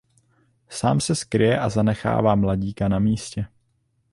Sám se skryje a zanechává mladíka na místě.